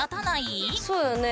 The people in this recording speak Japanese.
そうよね。